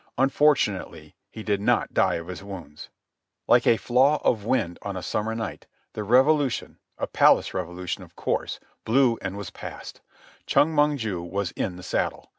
Unfortunately he did not die of his wounds. Like a flaw of wind on a summer night the revolution, a palace revolution of course, blew and was past. Chong Mong ju was in the saddle.